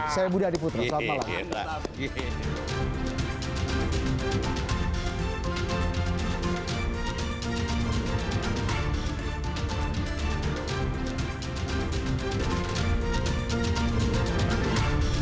saya budi adiputra selamat malam